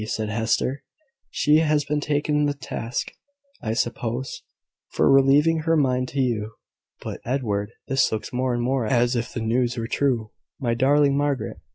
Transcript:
said Hester; "she has been taken to task, I suppose, for relieving her mind to you. But, Edward, this looks more and more as if the news were true. My darling Margaret!